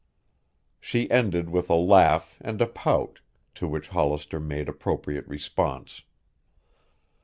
She ended with a laugh and a pout, to which Hollister made appropriate response.